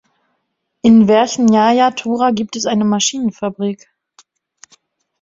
In Werchnjaja Tura gibt es eine Maschinenfabrik.